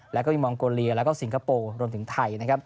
แล้วก็มีมองโกเลียแล้วก็สิงคโปร์รวมถึงไทยนะครับ